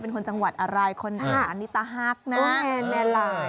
เป็นคนจังหวัดอะไรอันนี้ตะฮากนะ